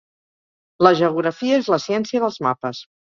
La Geografía és la ciència dels mapes